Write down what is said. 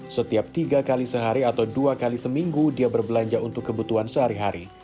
setiap tiga kali sehari atau dua kali seminggu dia berbelanja untuk kebutuhan sehari hari